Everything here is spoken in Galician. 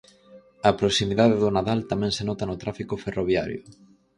A proximidade do Nadal tamén se nota no tráfico ferroviario.